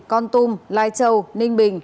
con tum lai châu ninh bình